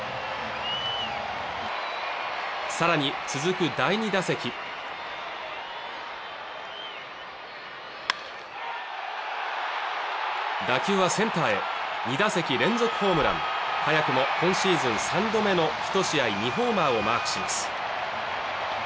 さらに続く第２打席打球はセンターへ２打席連続ホームラン早くも今シーズン３度目の１試合２ホーマーをマークします